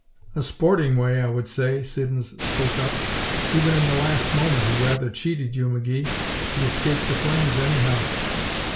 "A sporting way, I would say," Siddons spoke up. "Even in the last moment he rather cheated you, McGee. He escaped the flames, anyhow."